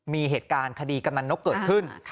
มีเหตุการณ์คดีกำนันนกเกิดขึ้น